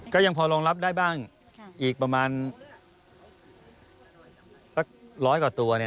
ก็ยังพอรองรับได้บ้างอีกประมาณ๑๐๐กว่าตัวเนี่ย